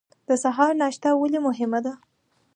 د سهار ناشته ولې مهمه ده؟